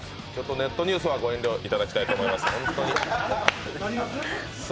ネットニュースはご遠慮いただきたいと思います。